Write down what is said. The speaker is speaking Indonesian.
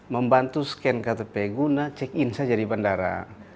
membantu scan ktp guna check in saja di bandara